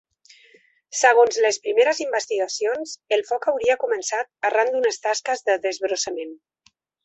Segons les primeres investigacions, el foc hauria començat arran d’unes tasques de desbrossament.